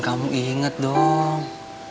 kamu inget dong